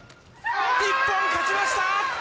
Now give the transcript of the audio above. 日本勝ちました！